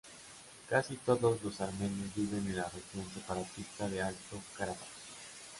Casi todos los armenios viven en la región separatista de Alto Karabaj.